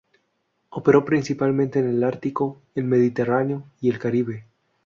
Operó principalmente en el Atlántico, el Mediterráneo y el Caribe.